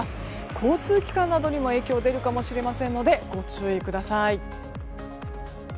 交通機関などにも影響でるかもしれませんのでご注意ください。